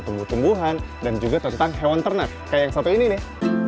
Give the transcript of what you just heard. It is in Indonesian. tumbuh tumbuhan dan juga tentang hewan ternak kayak yang satu ini nih